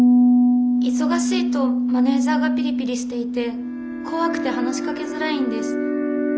忙しいとマネージャーがピリピリしていて怖くて話しかけづらいんです。